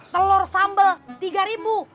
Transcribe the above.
telur sambal tiga ribu